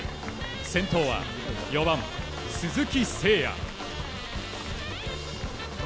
先頭は４番、鈴木誠也。